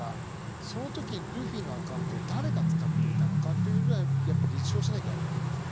その時、ルフィのアカウントを誰が使っていたのかというのをやっぱり立証しなきゃいけませんね。